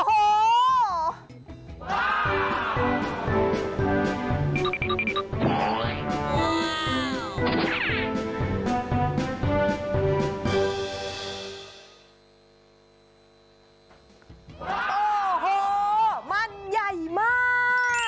โอ้โหมันใหญ่มาก